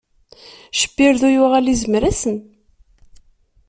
Cbirdu yuɣal izmer-asen.